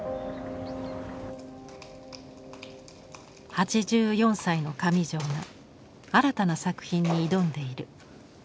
８４歳の上條が新たな作品に挑んでいる。